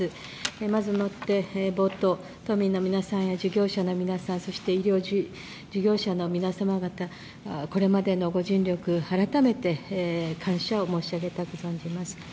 まずもって冒頭、都民の皆さんや事業者の皆さん、そして医療事業者の皆様方これまでのご尽力、改めて感謝を申し上げたく存じます。